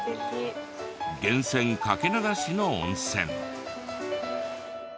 源泉かけ流しの温泉。